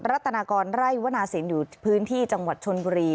รัฐนากรไร่วนาศิลป์อยู่พื้นที่จังหวัดชนบุรี